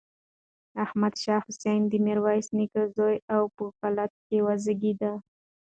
احمد شاه حسين د ميرويس نيکه زوی و او په کلات کې وزېږېد.